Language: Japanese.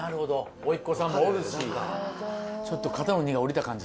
おいっ子さんもおるし。